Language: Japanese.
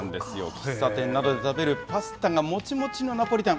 喫茶店などで食べるパスタがもちもちのナポリタン。